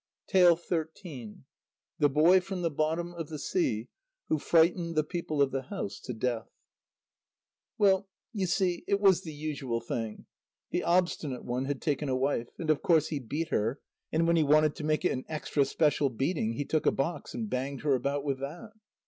THE BOY FROM THE BOTTOM OF THE SEA, WHO FRIGHTENED THE PEOPLE OF THE HOUSE TO DEATH Well, you see, it was the usual thing: "The Obstinate One" had taken a wife, and of course he beat her, and when he wanted to make it an extra special beating, he took a box, and banged her about with that.